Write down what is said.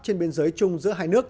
trên biên giới trung giữa hai nước